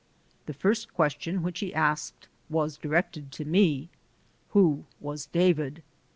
The first question which he asked was directed to me: "Who was David?"